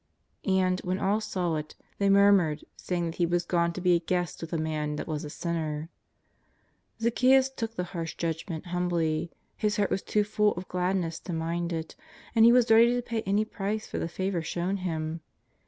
And, when all saw it, they murmured, saying that He was gone to be a guest with a man that w^as a sinner.'' Zaccheus took the harsh judgment humbly; his heart was too full of gladness to mind it, and he was ready to pay any price for the favour shown him.